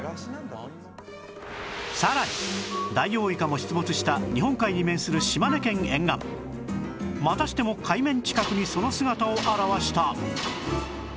さらにダイオウイカも出没した日本海に面する島根県沿岸またしても海面近くにその姿を現した